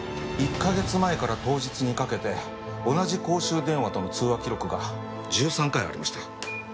１カ月前から当日にかけて同じ公衆電話との通話記録が１３回ありました。